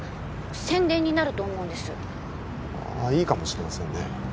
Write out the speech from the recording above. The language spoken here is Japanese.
宣伝になると思うんですあっいいかもしれませんね